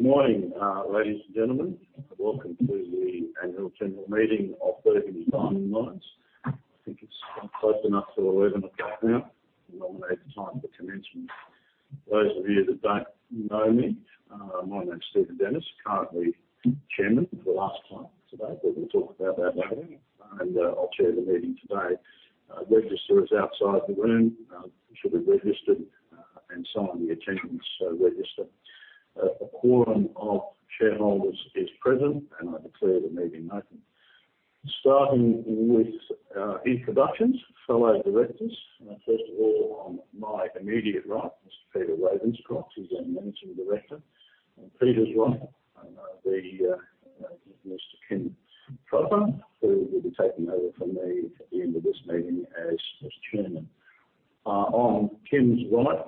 Good morning, ladies and gentlemen. Welcome to the annual general meeting of Burgundy Diamond Mines Limited. I think it's close enough to 11:00 A.M. now, the nominated time for commencement. For those of you that don't know me, my name's Stephen Dennis, currently Chairman for the last time today. We will talk about that later, and I'll chair the meeting today. Registrar is outside the room. You should be registered, and sign the attendance register. A quorum of shareholders is present, and I declare the meeting open. Starting with introductions, fellow directors. First of all, on my immediate right is Peter Ravenscroft. He's our Managing Director. On Peter's right, is Mr. Kim Truter, who will be taking over from me at the end of this meeting as Chairman. On Ken's right,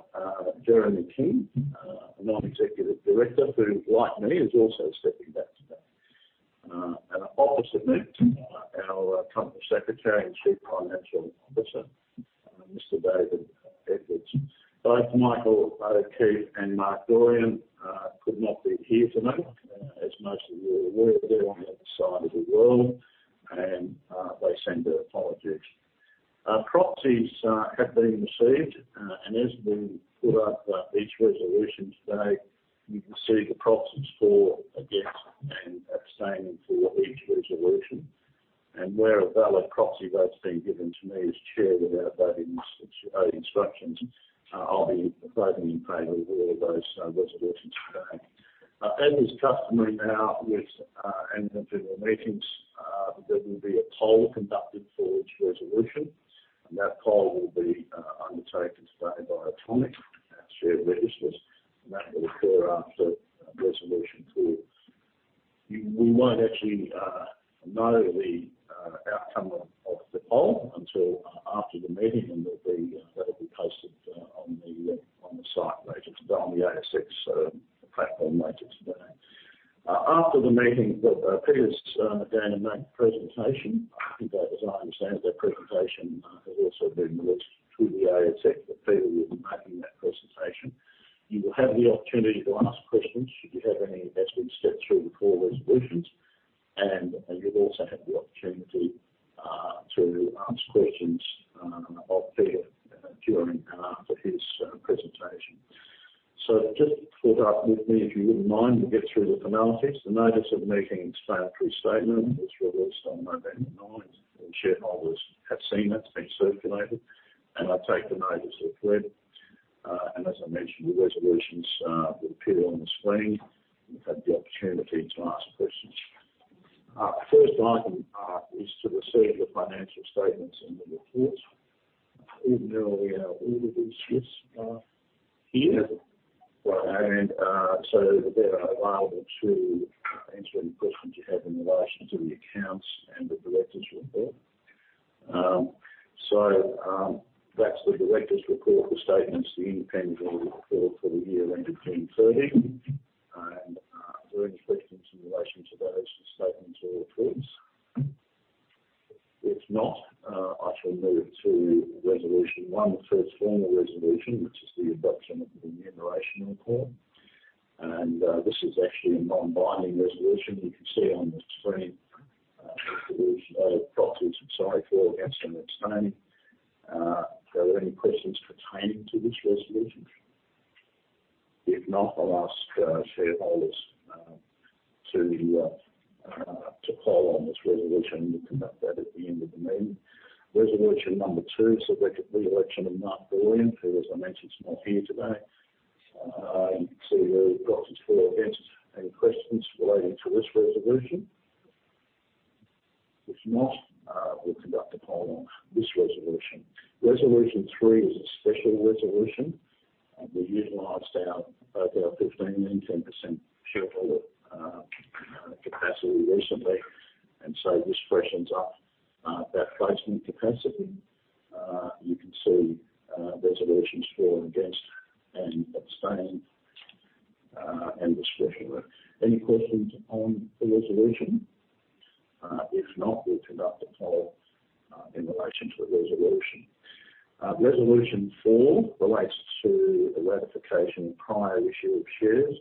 Jeremy King, a Non-Executive Director, who like me, is also stepping back today. Opposite me, our company secretary and Chief Financial Officer, Mr. David Edwards. Both Michael O'Keeffe and Marc Dorion could not be here tonight. As most of you are aware, they're on the other side of the world and they send their apologies. Proxies have been received. As we put up each resolution today, you can see the proxies for, against, and abstaining for each resolution. Where a valid proxy vote's been given to me as Chair without voting instructions, I'll be voting in favor of all of those resolutions today. As is customary now with annual general meetings, there will be a poll conducted for each resolution, and that poll will be undertaken today by Automic, our share registrars, and that will occur after resolution 2. We won't actually know the outcome of the poll until after the meeting, and it'll be posted on the site later today, on the ASX platform later today. After the meeting, Peter's going to make a presentation. I think that as I understand, that presentation has also been released through the ASX. Peter will be making that presentation. You will have the opportunity to ask questions if you have any as we step through the four resolutions. You'll also have the opportunity to ask questions of Peter during and after his presentation. Just follow up with me, if you wouldn't mind, we'll get through the formalities. The notice of the meeting explanatory statement was released on November 9th, and shareholders have seen it. It's been circulated, and I take the notice as read. As I mentioned, the resolutions will appear on the screen. You've had the opportunity to ask questions. First item is to receive the financial statements and the reports, even though we have all of these here. They're available to answer any questions you have in relation to the accounts and the directors' report. That's the directors' report for statements, the independent audit report for the year ending June 30. Are there any questions in relation to those statements or reports? If not, I shall move to resolution one, the first formal resolution, which is the adoption of the remuneration report. This is actually a non-binding resolution. You can see on the screen, there is proxies, sorry, for, against, and abstaining. Are there any questions pertaining to this resolution? If not, I'll ask shareholders to poll on this resolution. We'll conduct that at the end of the meeting. Resolution Number 2 is the reelection of Marc Dorion, who, as I mentioned, is not here today. You can see the proxies for, against. Any questions relating to this resolution? If not, we'll conduct a poll on this resolution. Resolution 3 is a special resolution. We utilized our both our 15 million 10% shareholder capacity recently, and so this freshens up that placement capacity. You can see resolutions for and against and abstaining and discretionary. Any questions on the resolution? If not, we'll conduct a poll in relation to the resolution. Resolution 4 relates to the ratification of prior issue of shares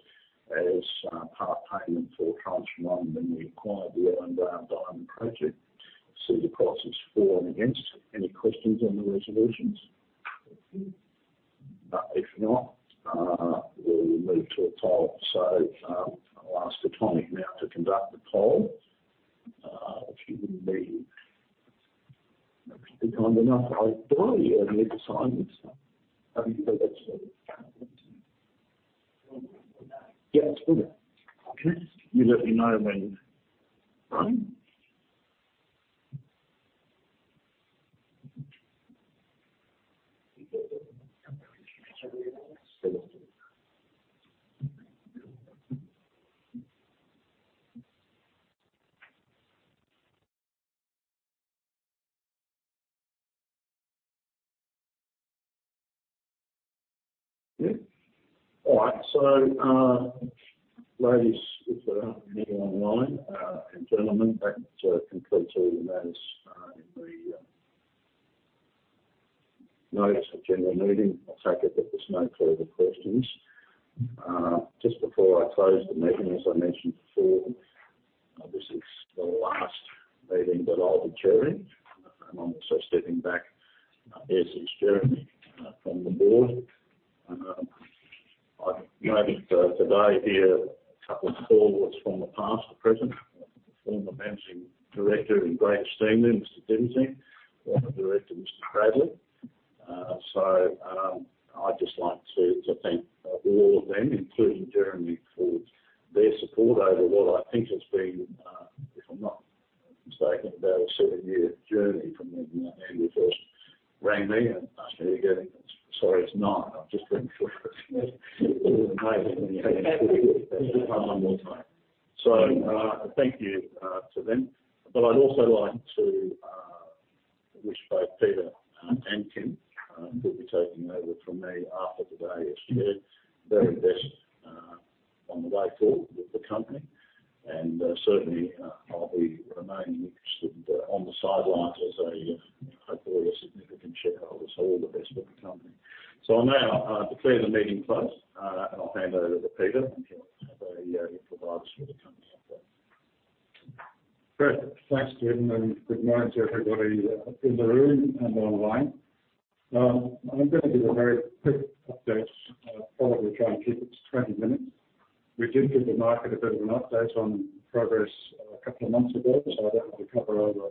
wouldn't be kind enough. I thought I only had to sign this. Have you got that sort of. Yeah, it's all good. Okay. You let me know when. All right. Yeah. All right. Ladies, if there are any online, and gentlemen, that concludes today's notice of a general meeting. I take it that there's no further questions. Just before I close the meeting, as I mentioned before, this is the last meeting that I'll be chairing, and I'm also stepping back as chairman from the board. I've noted today here a couple of formers from the past to present. Former managing director, a great Stephen, Mr. Dickinson, former director, Mr. Bradley. I'd just like to thank all of them, including Jeremy, for their support over what I think has been, if I'm not mistaken, about a seven-year journey from when Andrew first rang me and asked me to get in. Sorry, it's 9:00 A.M. I'm just being short. One more time. Thank you to them. I'd also like to wish both Peter and Tim who'll be taking over from me after today as chair very best on the way forward with the company. Certainly, I'll be remaining interested on the sidelines as a hopefully significant shareholder. All the best with the company. I'll now declare the meeting closed. I'll hand over to Peter, and he'll have a few words for the company update. Great. Thanks, Stephen, and good morning to everybody in the room and online. I'm gonna give a very quick update. Probably try and keep it to 20 minutes. We did give the market a bit of an update on progress a couple of months ago, so I don't want to cover over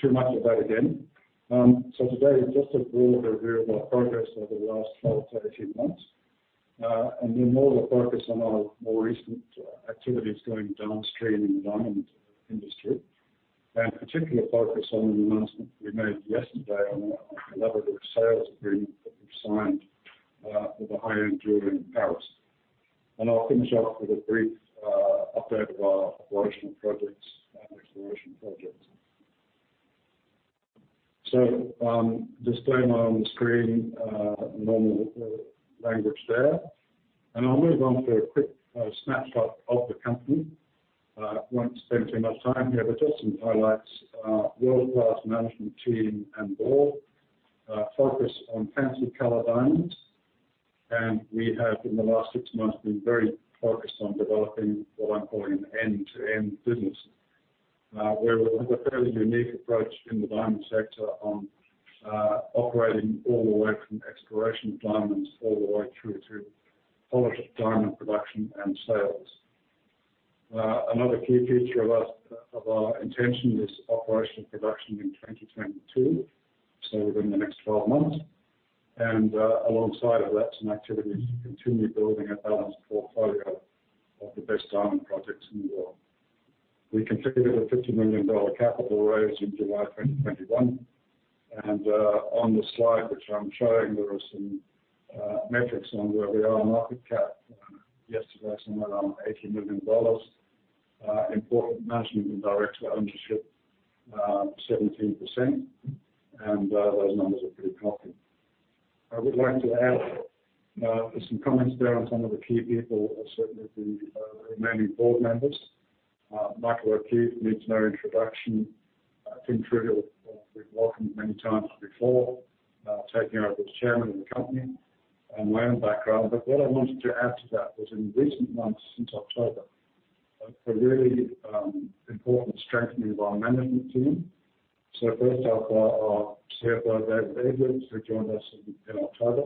too much of that again. Today is just a broader review of our progress over the last 12 months - 18 months. Then more of a focus on our more recent activities going downstream in the diamond industry. Particular focus on the announcement we made yesterday on a collaborative sales agreement that we've signed with a high-end jeweler in Paris. I'll finish off with a brief update of our operational projects and exploration projects. Disclaimer on the screen, normal language there. I'll move on to a quick snapshot of the company. Won't spend too much time here, but just some highlights. World-class management team and board. Focus on fancy color diamonds. We have, in the last six months, been very focused on developing what I'm calling an end-to-end business, where we'll have a fairly unique approach in the diamond sector on operating all the way from exploration of diamonds all the way through to polished diamond production and sales. Another key feature of our intention is operational production in 2022, so within the next twelve months. Alongside of that, some activities to continue building a balanced portfolio of the best diamond projects in the world. We completed a 50 million dollar capital raise in July 2021. On the slide which I'm showing, there are some metrics on where we are. Market cap yesterday somewhere around 80 million dollars. Important management and director ownership 17%. Those numbers are pretty healthy. I would like to add some comments there on some of the key people, certainly the remaining board members. Michael O'Keeffe needs no introduction. Tim Treadgold, we've welcomed many times before, taking over as Chairman of the company and mining background. What I wanted to add to that was in recent months, since October, a really important strengthening of our management team. First off, our CFO, David Edwards, who joined us in October,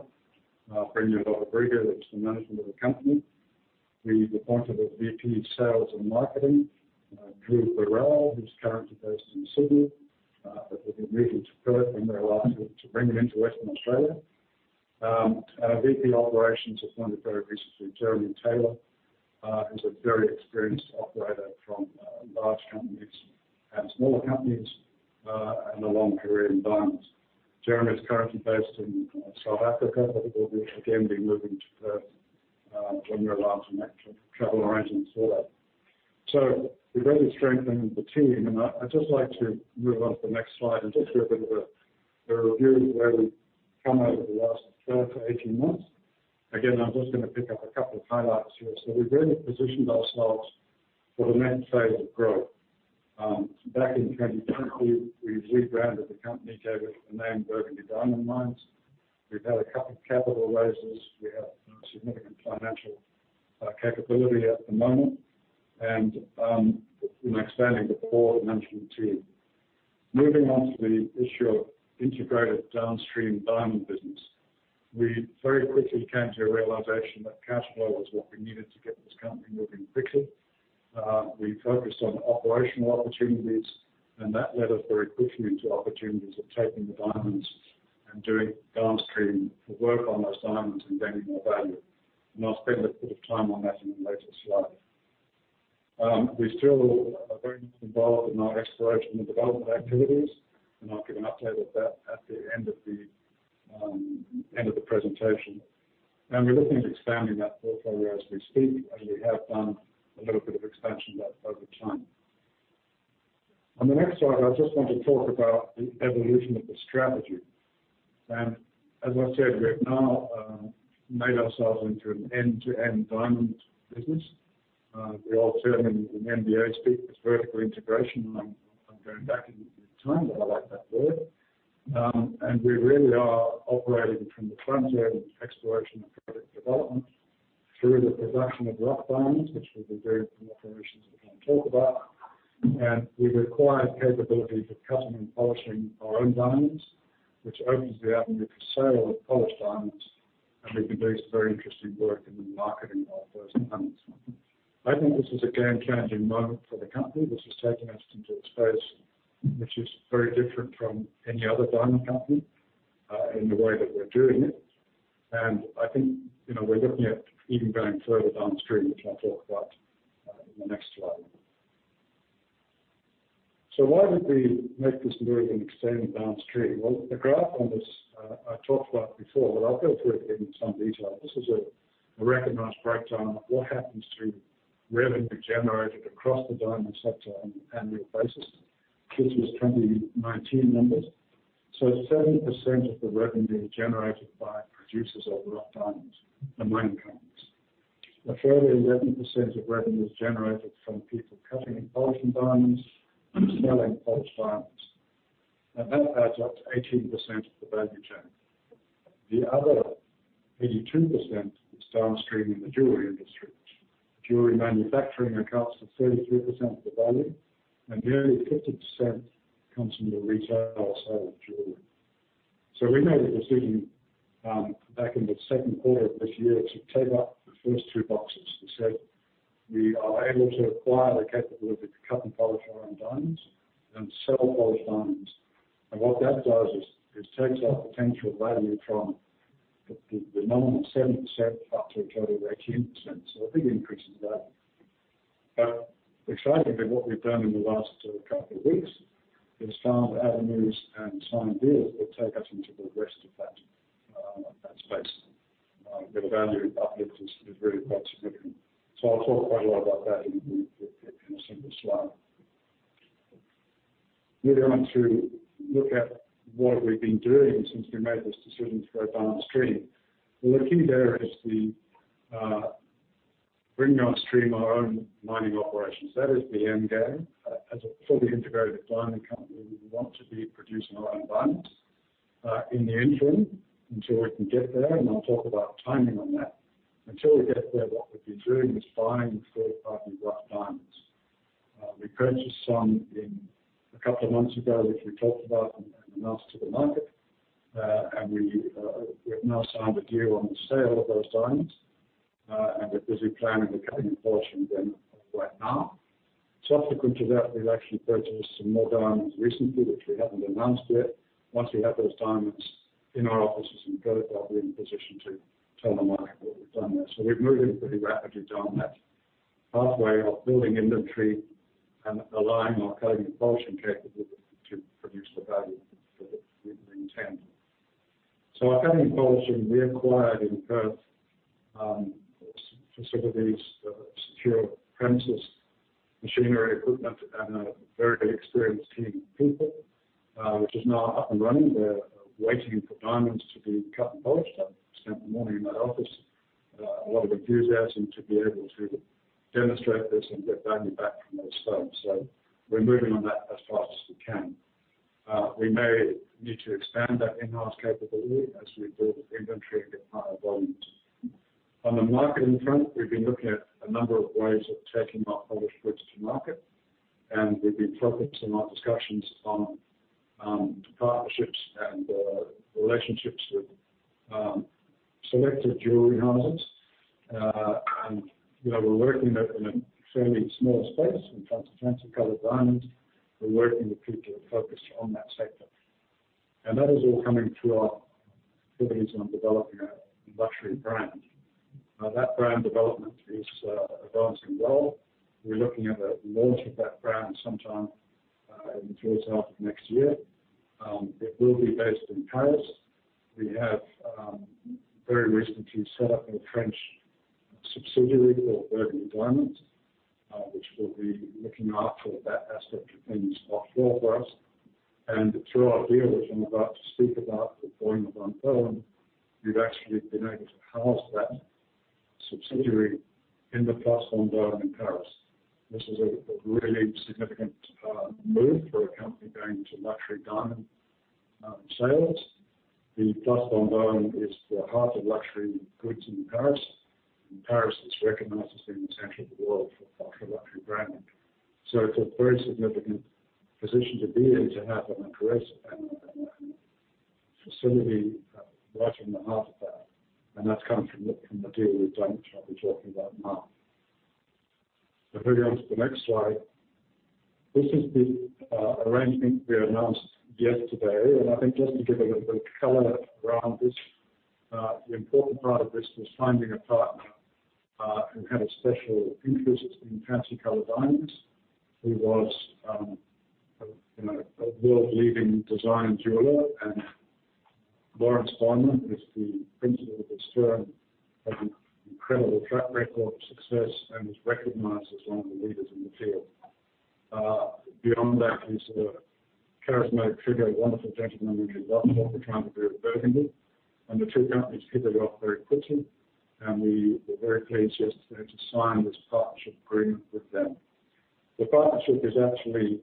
bringing a lot of rigor to the management of the company. We've appointed a VP of Sales and Marketing, Drew Birrell, who's currently based in Sydney and will be moving to Perth when we're allowed to bring him into Western Australia. Our VP Operations, appointed very recently, Jeremy Taylor, is a very experienced operator from large companies and smaller companies and a long career in diamonds. Jeremy is currently based in South Africa and will again be moving to Perth when we're allowed some actual travel arrangements for that. We've really strengthened the team. I'd just like to move on to the next slide and just do a bit of a review of where we've come out over the last 12 months-18 months. Again, I'm just gonna pick up a couple of highlights here. We've really positioned ourselves for the next phase of growth. Back in 2020, we rebranded the company, gave it the name Burgundy Diamond Mines. We've had a couple of capital raises. We have significant financial capability at the moment. We're expanding the board and management team. Moving on to the issue of integrated downstream diamond business. We very quickly came to a realization that cash flow was what we needed to get this company moving quicker. We focused on operational opportunities, and that led us very quickly into opportunities of taking the diamonds and doing downstream work on those diamonds and gaining more value. I'll spend a bit of time on that in a later slide. We still are very involved in our exploration and development activities, and I'll give an update of that at the end of the presentation. We're looking at expanding that portfolio as we speak, and we have done a little bit of expansion of that over time. On the next slide, I just want to talk about the evolution of the strategy. As I said, we have now made ourselves into an end-to-end diamond business. The old term in MBA speak is vertical integration. I'm going back in time, but I like that word. We really are operating from the front end of exploration and product development through the production of rough diamonds, which we'll be doing from operations we're gonna talk about. We've acquired capability for cutting and polishing our own diamonds, which opens the avenue for sale of polished diamonds, and we've been doing some very interesting work in the marketing of those diamonds. I think this is a game-changing moment for the company. This has taken us into a space which is very different from any other diamond company in the way that we're doing it. I think, you know, we're looking at even going further downstream, which I'll talk about in the next slide. Why would we make this move and extend downstream? Well, the graph on this I talked about before, but I'll go through it in some detail. This is a recognized breakdown of what happens to revenue generated across the diamond sector on an annual basis. This is 2019 numbers. 30% of the revenue generated by producers of rough diamonds, the mining companies. A further 11% of revenue is generated from people cutting and polishing diamonds and selling polished diamonds. That adds up to 18% of the value chain. The other 82% is downstream in the jewelry industry. Jewelry manufacturing accounts for 33% of the value, and nearly 50% comes from the retail sale of jewelry. We made a decision back in the second quarter of this year to take up the first two boxes. We said we are able to acquire the capability to cut and polish our own diamonds and sell polished diamonds. What that does is takes our potential value from the nominal 7% up to a total of 18%. A big increase in value. Excitedly, what we've done in the last couple of weeks is found avenues and signed deals that take us into the rest of that space. Where the value uplift is really quite significant. I'll talk quite a lot about that in a single slide. Moving on to look at what we've been doing since we made this decision to go downstream. The key there is bringing downstream our own mining operations. That is the end game. As a fully integrated diamond company, we want to be producing our own diamonds. In the interim, until we can get there, and I'll talk about timing on that. Until we get there, what we've been doing is buying fourth- and fifth-quality rough diamonds. We purchased some a couple of months ago, which we talked about and announced to the market. We have now signed a deal on the sale of those diamonds, and we're busy planning the cutting and polishing of them right now. Subsequent to that, we've actually purchased some more diamonds recently, which we haven't announced yet. Once we have those diamonds in our offices in Perth, I'll be in position to tell the market what we've done there. We're moving pretty rapidly down that pathway of building inventory and applying our cutting and polishing capability to produce the value that we intend. Our cutting and polishing, we acquired in Perth, some facilities, secure premises, machinery, equipment, and a very experienced team of people, which is now up and running. They're waiting for diamonds to be cut and polished. I spent the morning in that office. A lot of enthusiasm to be able to demonstrate this and get value back from those stones. We're moving on that as fast as we can. We may need to expand that in-house capability as we build inventory and get higher volumes. On the marketing front, we've been looking at a number of ways of taking our polished goods to market, and we've been focused in our discussions on partnerships and relationships with selected jewelry houses. You know, we're working with them in a fairly small space in terms of fancy color diamonds. We're working with people who are focused on that sector. That is all coming to our activities on developing a luxury brand. That brand development is advancing well. We're looking at the launch of that brand sometime in the first half of next year. It will be based in Paris. We have very recently set up a French subsidiary called Burgundy Diamonds, which will be looking after that aspect of things offshore for us. Through our deal, which I'm about to speak about with Bäumer Vendôme, we've actually been able to house that subsidiary in the Place Vendôme in Paris. This is a really significant move for a company going to luxury diamond sales. The Place Vendôme is the heart of luxury goods in Paris. Paris is recognized as being the center of the world for ultra-luxury branding. It's a very significant position to be in, to have a presence and a facility right in the heart of that. That's come from the deal we've done, which I'll be talking about now. If we go onto the next slide. This is the arrangement we announced yesterday. I think just to give a little color around this, the important part of this was finding a partner who had a special interest in fancy color diamonds, who was, you know, a world-leading design jeweler. Lorenz Bäumer is the principal of this firm who has an incredible track record of success and is recognized as one of the leaders in the field. Beyond that is Kim Truter, a wonderful gentleman named Andy, and the two companies hit it off very quickly, and we were very pleased yesterday to sign this partnership agreement with them. The partnership is actually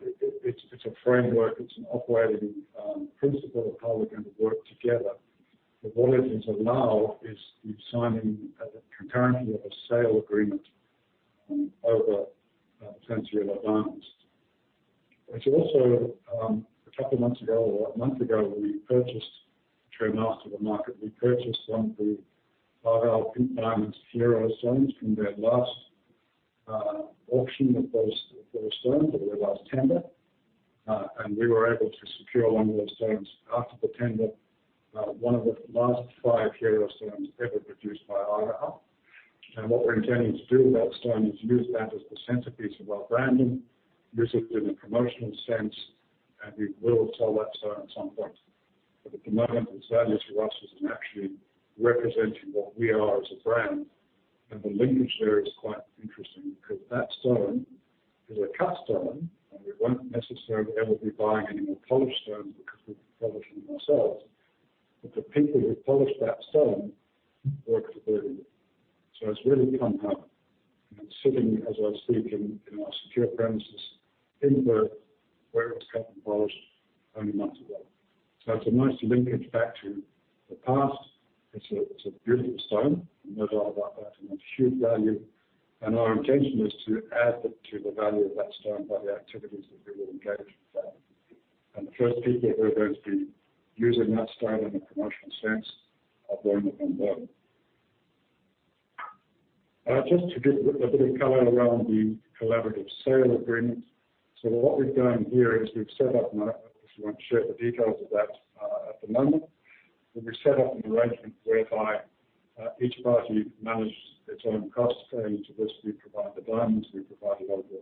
it's a framework. It's an operating principle of how we're gonna work together. What it allows is the signing concurrently of a sale agreement over potential diamonds. Which also, a couple months ago, or a month ago, we purchased the trademarks to the market. We purchased one of the Argyle Pink Diamonds hero stones from their last auction of those stones. It was last tender. We were able to secure one of those stones after the tender. One of the last five hero stones ever produced by Argyle. What we're intending to do with that stone is use that as the centerpiece of our branding, use it in a promotional sense, and we will sell that stone at some point. At the moment, its value to us is in actually representing what we are as a brand. The linkage there is quite interesting because that stone is a cut stone, and we won't necessarily ever be buying any more polished stones because we're polishing them ourselves. The people who polished that stone work for Burgundy. It's really pumped up. It's sitting, as I speak, in our secure premises in Perth, where it was cut and polished only months ago. It's a nice linkage back to the past. It's a beautiful stone. No doubt about that, and of huge value. Our intention is to add to the value of that stone by the activities that we will engage with that. The first people who are going to be using that stone in a promotional sense are going to be in Bali. Just to give a bit of color around the collaborative sale agreement. What we've done here is we've set up. Of course, we won't share the details of that at the moment. We've set up an arrangement whereby each party manages its own cost. Going to this, we provide the diamonds, we provide a lot of the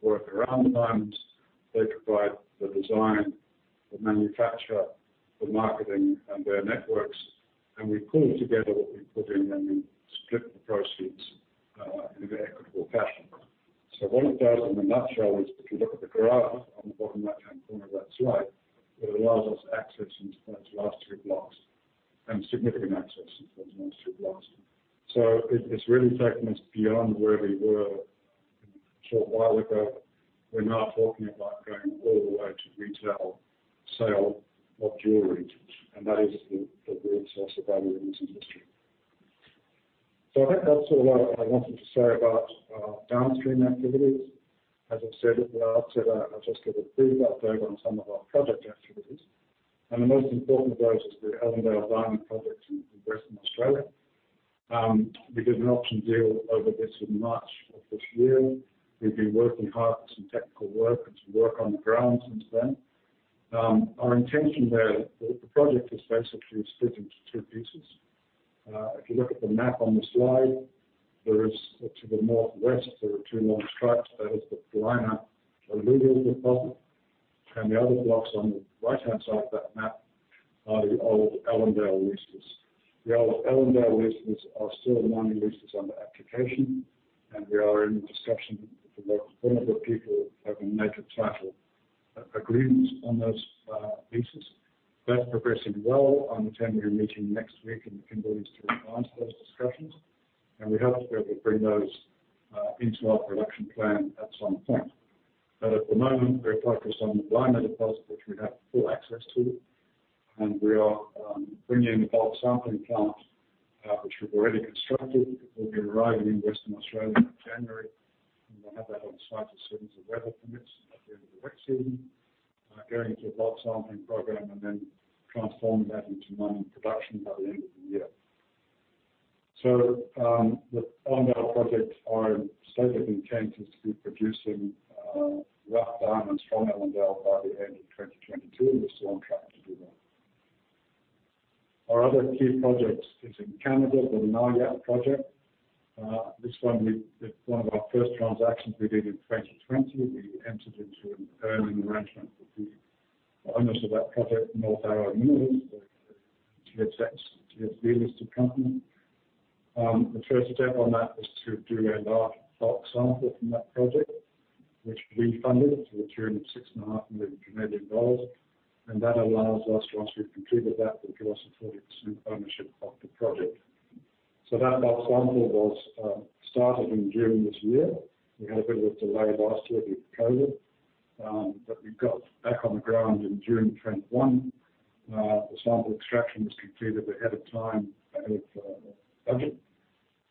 work around the diamonds. They provide the design, the manufacture, the marketing and their networks. We pool together what we put in, and we split the proceeds in an equitable fashion. What it does in a nutshell is, if you look at the graph on the bottom right-hand corner of that slide, it allows us access into those last three blocks, and significant access into those last three blocks. It really taken us beyond where we were a short while ago. We're now talking about going all the way to retail sale of jewelry, and that is the real source of value in this industry. I think that's all I wanted to say about our downstream activities. As I've said at the outset, I just give a brief update on some of our project activities. The most important of those is the Ellendale Diamond Project in Western Australia. We did an option deal over this in March of this year. We've been working hard with some technical work and some work on the ground since then. Our intention there, the project is basically split into two pieces. If you look at the map on the slide, there is, to the northwest, there are two long stripes. That is the Blina alluvial deposit. The other blocks on the right-hand side of that map are the old Ellendale leases. The old Ellendale leases are still mining leases under application, and we are in discussion with the local Bunuba people over native title agreements on those leases. That's progressing well. I'm attending a meeting next week in the Kimberley to advance those discussions, and we hope to be able to bring those into our production plan at some point. At the moment, we're focused on the Blina deposit, which we have full access to. We are bringing in the bulk sampling plant, which we've already constructed. It will be arriving in Western Australia in January. We'll have that on site as soon as the weather permits at the end of the wet season, going into a bulk sampling program and then transform that into mining production by the end of the year. The Ellendale projects' stated intent is to be producing rough diamonds from Ellendale by the end of 2022. We're still on track to do that. Our other key project is in Canada, the Naujaat project. This one—it's one of our first transactions we did in 2020. We entered into an earning arrangement with the owners of that project, North Arrow Minerals, a TSX-V-listed company. The first step on that was to do a large bulk sample from that project, which we funded to the 306.5 million Canadian dollars. That allows us, once we've completed that, it gives us 40% ownership of the project. That bulk sample was started in June this year. We had a bit of a delay last year with COVID, but we got back on the ground in June 2021. The sample extraction was completed ahead of time, ahead of budget.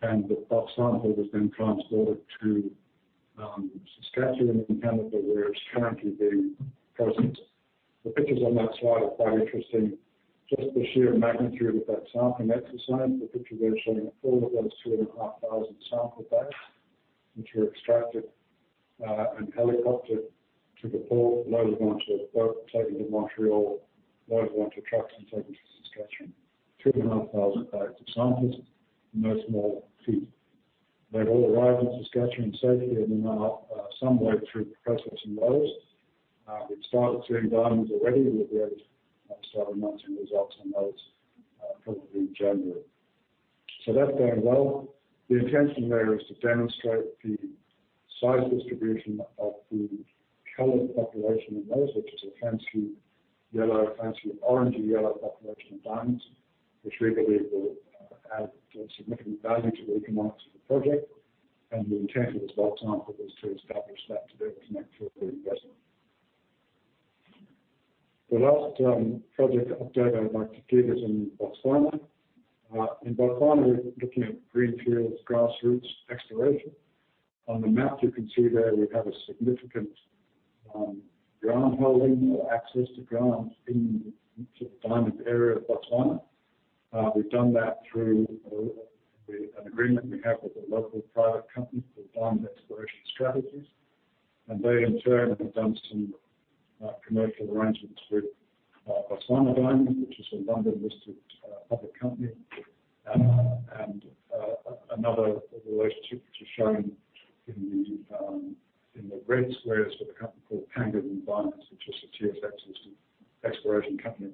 The bulk sample was then transported to Saskatchewan in Canada, where it's currently being processed. The pictures on that slide are quite interesting. Just the sheer magnitude of that sampling exercise. The picture there showing all of those 2,500 sample bags, which were extracted, and helicoptered to the port, loaded onto a boat, taken to Montreal, loaded onto trucks and taken to Saskatchewan. 2,500 bags of samples. No small feat. They've all arrived in Saskatchewan safely and are some way through processing those. We've started seeing diamonds already. We'll be starting announcing results on those probably in January. So that's going well. The intention there is to demonstrate the size distribution of the colored population in those, which is a fancy yellow, fancy orangey-yellow population of diamonds, which we believe will add significant value to the economics of the project. The intent of this bulk sample is to establish that to be able to make sure we invest. The last project update I would like to give is in Botswana. In Botswana, we're looking at greenfields grassroots exploration. On the map, you can see there we have a significant ground holding or access to ground in sort of diamond area of Botswana. We've done that through an agreement we have with a local private company called Diamond Exploration Strategies. They in turn have done some commercial arrangements with Botswana Diamonds, which is a London-listed public company. Another relationship, which is shown in the red squares with a company called Kangaroo Diamonds, which is an ASX exploration company.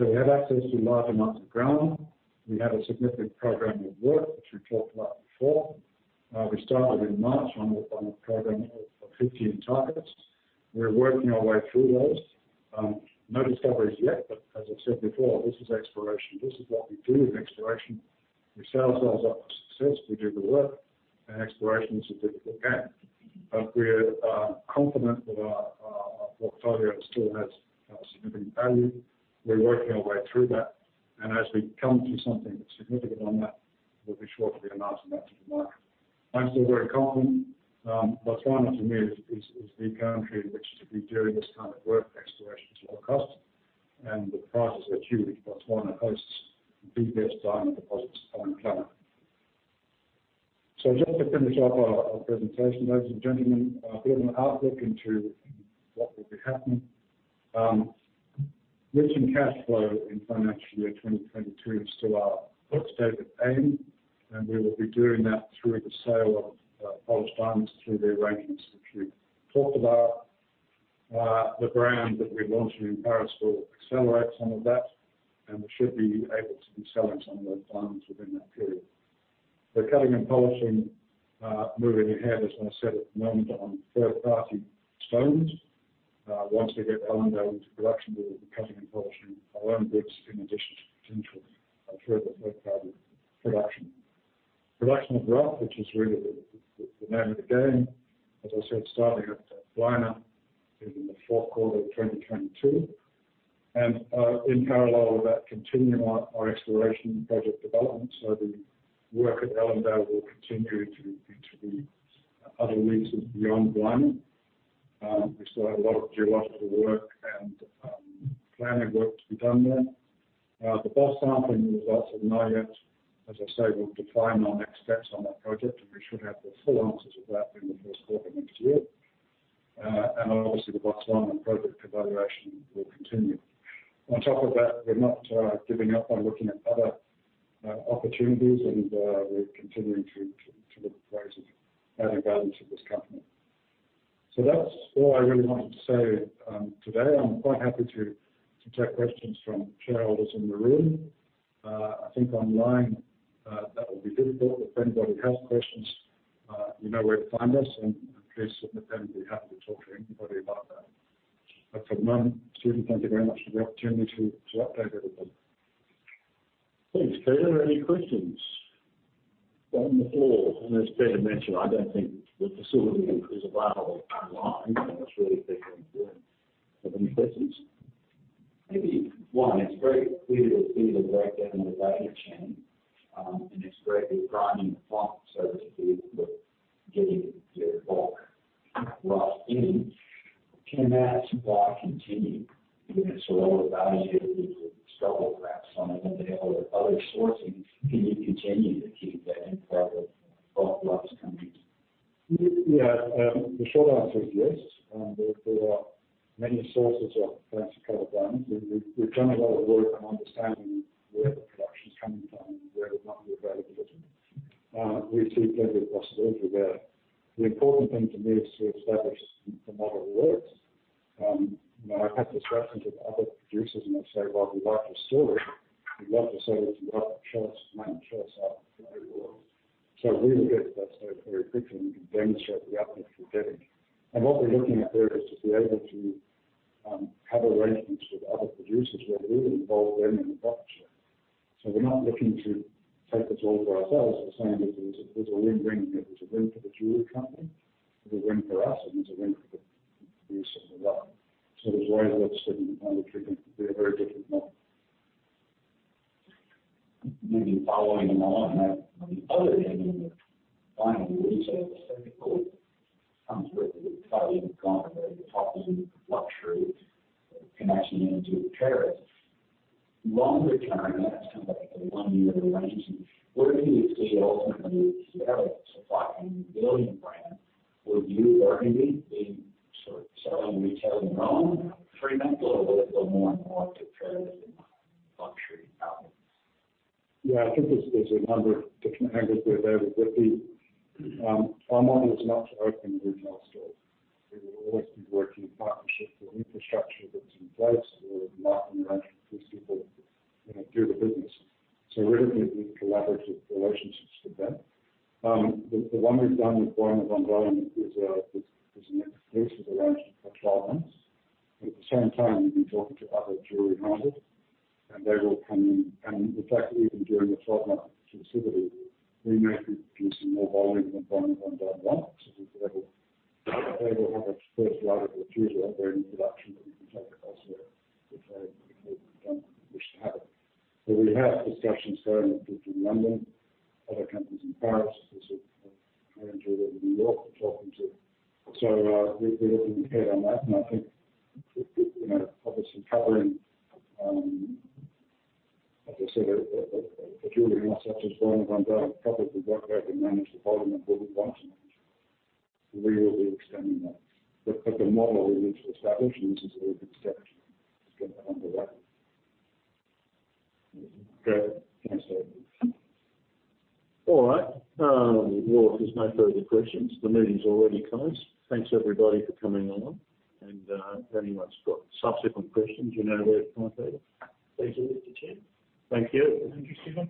We have access to large amounts of ground. We have a significant program of work, which we've talked about before. We started in March on a program of 15 targets. We're working our way through those. No discoveries yet, but as I've said before, this is exploration. This is what we do in exploration. We set ourselves up for success. We do the work, and exploration is a difficult game. We're confident that our portfolio still has significant value. We're working our way through that. As we come to something that's significant on that, we'll be sure to be announcing that to the market. I'm still very confident. Botswana, to me, is the country in which to be doing this kind of work. Exploration is low cost. The prizes are huge. Botswana hosts the best diamond deposits on the planet. Just to finish off our presentation, ladies and gentlemen, giving an outlook into what will be happening. Reaching cash flow in financial year 2022 is still our forecasted aim, and we will be doing that through the sale of polished diamonds through the arrangements which we've talked about. The brand that we're launching in Paris will accelerate some of that, and we should be able to be selling some of those diamonds within that period. The cutting and polishing moving ahead, as I said, at the moment on third-party stones. Once we get Ellendale into production, we will be cutting and polishing our own goods in addition to potential third-party production. Production of rough, which is really the name of the game, as I said, starting at Blina in the fourth quarter of 2022. In parallel with that, continuing our exploration and project development. The work at Ellendale will continue into the other leases beyond Blina. We still have a lot of geological work and planning work to be done there. The bulk sampling results are not yet. As I say, we'll define our next steps on that project, and we should have the full answers of that in the first quarter of next year. Obviously, the Botswana project evaluation will continue. On top of that, we're not giving up on looking at other opportunities, and we're continuing to look for ways of adding value to this company. That's all I really wanted to say today. I'm quite happy to take questions from shareholders in the room. I think online that will be difficult. If anybody has questions, you know where to find us. Please submit them. We're happy to talk to anybody about that. For now, Stephen, thank you very much for the opportunity to update everybody. Thanks, Peter. Any questions from the floor? As Peter mentioned, I don't think the facility is available online, unless really people do have any questions. Maybe one. It's very clear that Peter's worked throughout the value chain, and it's greatly driving the full service with getting their bulk rough in. Can that supply continue? Even if it's lower value, there's a struggle perhaps on availability of other sourcing. Can you continue to provide bulk rough coming in? Yeah. The short answer is yes. There are many sources of fancy colored diamonds. We've done a lot of work on understanding where the production is coming from and where there might be availability. We see plenty of possibility there. The important thing to me is to establish the model works. You know, I've had discussions with other producers and they say, "Well, we like your story. We'd love to sell with you but we can't supply the choice." We will get to that stage very quickly and we can demonstrate the output we're getting. What we're looking at there is to be able to have arrangements with other producers where we will involve them in the business. We're not looking to take this all for ourselves. We're saying that there's a win-win here. There's a win for the jewelry company, there's a win for us, and there's a win for the producer as well. There's ways of sort of managing it that are very different. Maybe following along on that. On the other hand, in the final resort, so to speak, some sort of value gone over the top end of luxury connecting in to Paris. Longer term, that's kind of like a one-year arrangement. Where do you see ultimately with the Ellendale supplying Burgundy brand? Would you or Andy be sort of selling retail in your own Fremantle or will it go more and more to Paris and luxury outlets? Yeah. I think there's a number of different angles there, David. Our model is not to open retail stores. We will always be working in partnership with infrastructure that's in place or marketing arrangement with people, you know, do the business. We're looking at good collaborative relationships with them. The one we've done with Bäumer is an exclusive arrangement for 12 months. At the same time, we've been talking to other jewelry houses, and they will come in. In fact, even during the 12-month exclusivity, we may be producing more volume than Bäumer wants. They will have a first right of refusal if they're in production, but we can take it elsewhere if they don't wish to have it. We have discussions going with people in London, other companies in Paris, of course, with high-end jewelry in New York we're talking to. We're looking ahead on that. I think, you know, obviously covering, like I said, a jewelry house such as Bäumer probably work out and manage the volume that we would want to manage. We will be extending that. The model we need to establish, and this is a good step to get that underway. Great. Thanks, Stephen. All right. Well, if there's no further questions, the meeting is already closed. Thanks everybody for coming along. If anyone's got subsequent questions, you know where to find Peter. Thanks, Stephen. Thank you. Thank you, Stephen.